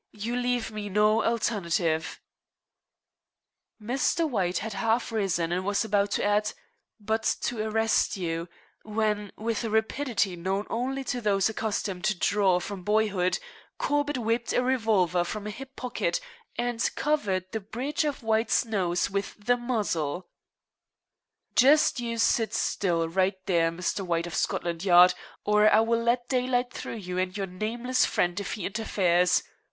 You leave me no alternative " Mr. White had half risen and was about to add, "but to arrest you," when, with a rapidity known only to those accustomed to "draw" from boyhood, Corbett whipped a revolver from a hip pocket and covered the bridge of White's nose with the muzzle. "Just you sit still, right there, Mr. White of Scotland Yard, or I will let daylight through you and your nameless friend if he interferes.